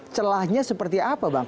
celahnya seperti apa bang